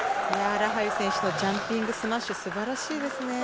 ラハユ選手のジャンピングスマッシュ素晴らしいですね。